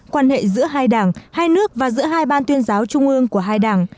quan hệ giữa hai đảng hai nước và giữa hai ban tuyên giáo trung ương của hai đảng